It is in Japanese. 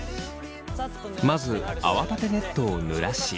まず泡立てネットをぬらし。